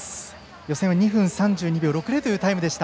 予選は２分３２秒６０というタイムでした。